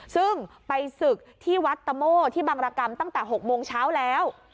ซึ่งไปศึกที่วัดตะโม่ที่บังรกรรมตั้งแต่๖โมงเช้าแล้ว